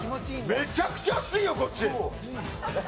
めちゃくちゃ熱いよこっち。